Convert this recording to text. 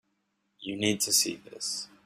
You need to see this.